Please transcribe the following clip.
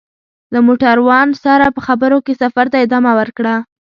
له موټروان سره په خبرو کې سفر ته ادامه ورکړه.